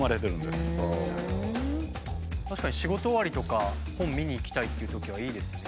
確かに仕事終わりとか本見に行きたいっていうときはいいですよね。